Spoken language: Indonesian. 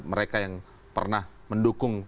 mereka yang pernah mendukung